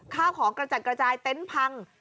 ข้าวของกระจัดกระจายเต็นต์พัง